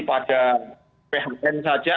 pada phpn saja